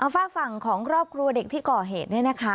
ฝากฝั่งของครอบครัวเด็กที่ก่อเหตุเนี่ยนะคะ